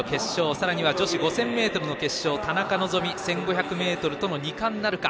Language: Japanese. さらに女子５０００ｍの決勝田中希実が１５００ｍとの２冠なるか。